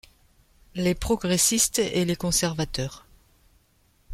Les progressistes et les conservateurs.